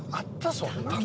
そんなん。